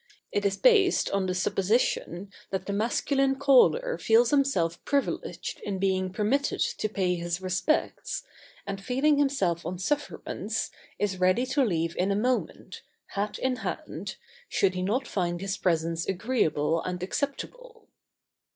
It is based on the supposition that the masculine caller feels himself privileged in being permitted to pay his respects, and feeling himself on sufferance, is ready to leave in a moment, hat in hand, should he not find his presence agreeable and acceptable.